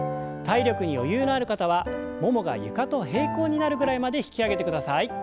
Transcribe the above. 体力に余裕のある方はももが床と平行になるぐらいまで引き上げてください。